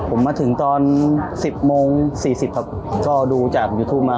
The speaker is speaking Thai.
ผมมาถึงตอนสิบโมงสี่สิบครับก็ดูจากยูทูปมา